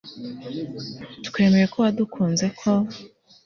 twemeye ko wadukunze, ko